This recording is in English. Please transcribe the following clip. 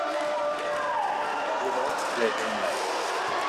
With all the pleasure in life.